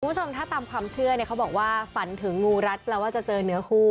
คุณผู้ชมถ้าตามความเชื่อเนี่ยเขาบอกว่าฝันถึงงูรัดแปลว่าจะเจอเนื้อคู่